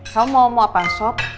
kamu mau mau apa sup